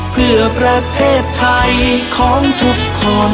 เพื่อประเทศไทยของทุกคน